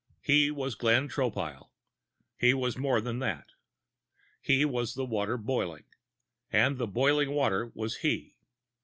He was Glenn Tropile. He was more than that. He was the water boiling ... and the boiling water was he.